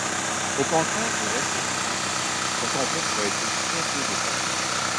Au contraire du reste du craton, ce complexe a été très peu déformé.